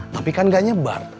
tapi kan gak nyebar